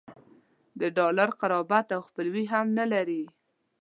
د ډالر قربت او خپلوي هم نه لري.